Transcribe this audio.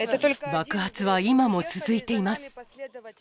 爆発は今も続いています。